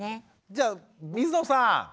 じゃあ水野さん。